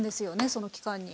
その期間に。